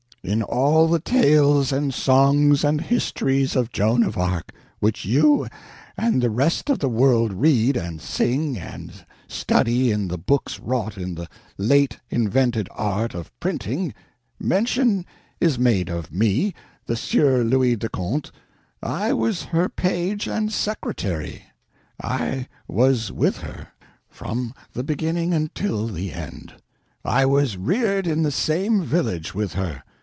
In all the tales and songs and histories of Joan of Arc, which you and the rest of the world read and sing and study in the books wrought in the late invented art of printing, mention is made of me, the Sieur Louis de Conte—I was her page and secretary, I was with her from the beginning until the end. I was reared in the same village with her.